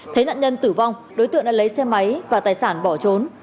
thấy nạn nhân tử vong đối tượng đã lấy xe máy và tài sản bỏ trốn